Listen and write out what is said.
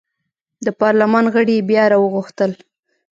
د پارلمان غړي یې بیا راوغوښتل.